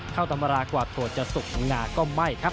เข้าต้มรากว่าโถดจะสุกง่าก็ไม่ครับ